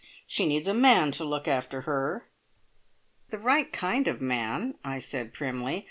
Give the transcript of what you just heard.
She needs a man to look after her." "The right kind of man!" I said primly.